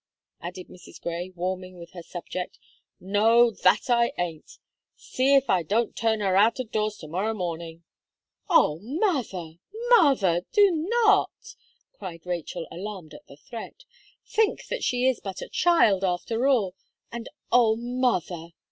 added Mrs. Gray, warming with her subject; "no, that I ain't! See if I don't turn her out of doors to morrow morning." "Oh! mother, mother, do not!" cried Rachel, alarmed at the threat; "think that she is but a child, after all. And, oh, mother!"